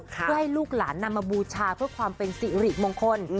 เพื่อให้ลูกหลานนำมาบูชาเพื่อความเป็นสิริมงคล